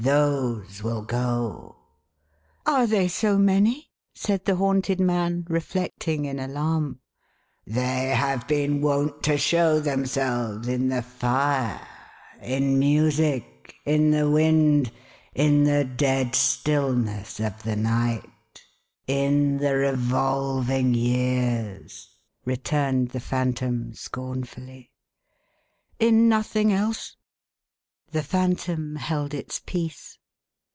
Those will go." "Are they so many?" said the haunted man, reflecting in alarm. "They have been wont to show themselves in the fire, in music, in the wind, in the dead stillness of the night, in the revolving years," returned the Phantom scornfully " In nothing else ?" The Phantom held its peace.